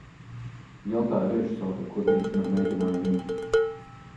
Jautāju režisorei, ko darīsim ar mēģinājumiem.